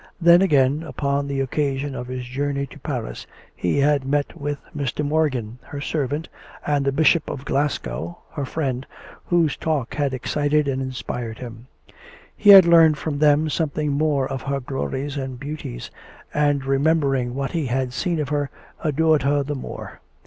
Then, again, upon the occasion of his journey to Paris, he had met with Mr. Morgan, her servant, and the Bishop of Glas 22 COME RACK! COME ROPE! gow, her friend, whose talk had excited and inspired him. He had learned from them something more of her glories and beauties, and remembering what he had seen of her, adored her the more.